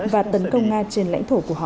và tấn công nga trên lãnh thổ của họ